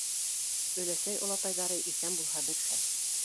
— Оләсәй-олатайҙары иҫән булһа бер хәл.